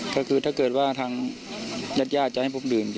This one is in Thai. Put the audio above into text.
ก็คือถ้าเกิดว่าทางญาติญาติจะให้ผมดื่ม